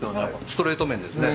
ストレート麺ですね。